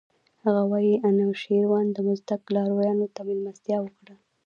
هغه وايي انوشیروان د مزدک لارویانو ته مېلمستیا وکړه.